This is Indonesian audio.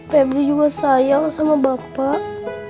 pmd juga sayang sama bapak